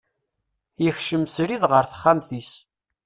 Yekcem srid ɣer texxamt-is.